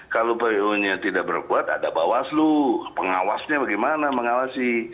kalau peo nya tidak berbuat ada bawas lho pengawasnya bagaimana mengawasi